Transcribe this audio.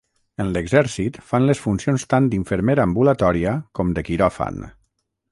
En l'exèrcit fan les funcions tant d'infermera ambulatòria com de quiròfan.